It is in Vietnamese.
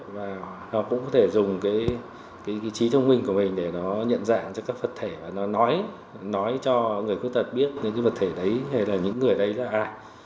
và nó cũng có thể dùng cái trí thông minh của mình để nó nhận dạng cho các vật thể và nó nói cho người khuyết tật biết những cái vật thể đấy là những người đấy là ai